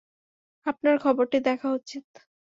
আপনার খবরটি দেখা উচিত।